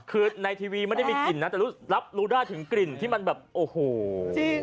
คือในทีวีไม่ได้มีกลิ่นนะแต่รับรู้ได้ถึงกลิ่นที่มันแบบโอ้โหจริง